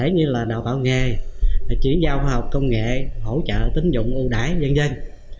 như là đào tạo nghề chuyển giao khoa học công nghệ hỗ trợ tính dụng ưu đãi dân dân